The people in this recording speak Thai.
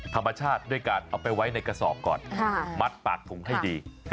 ธรรมชาติด้วยการเอาไปไว้ในกระสอบก่อนมัดปากถุงให้ดี